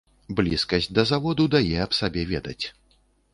Блізкасць да заводу дае аб сабе ведаць.